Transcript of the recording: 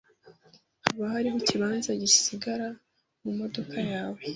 Hoba hariho ikibanza gisigara mumodoka yawe?